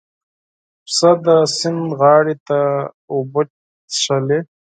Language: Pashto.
پسه د سیند غاړې ته اوبه څښلې.